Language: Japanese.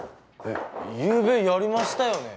ゆうべやりましたよね？